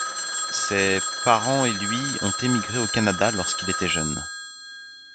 Ses parents et lui ont émigré au Canada lorsqu'il était jeune.